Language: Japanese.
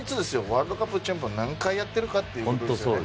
ワールドカップチャンピオンを何回やってるかという。